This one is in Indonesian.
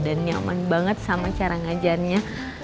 nyaman banget sama cara ngajarnya